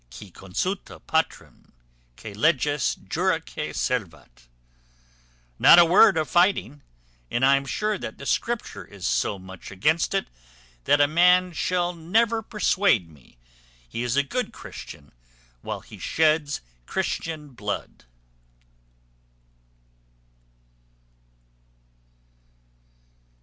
Qui consulta patrum, qui leges juraque servat_. Not a word of fighting; and I am sure the scripture is so much against it, that a man shall never persuade me he is a good Christian while he sheds Christian blood."